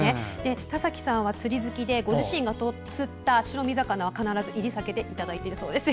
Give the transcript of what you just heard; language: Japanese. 田崎さんは釣り好きで、ご自身が釣った白身魚は必ず煎り酒でいただいているそうですよ。